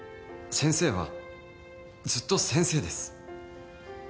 先生はずっと先生です。